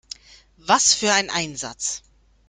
Was für ein Einsatz!